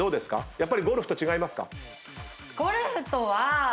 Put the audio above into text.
やっぱりゴルフと違いますか？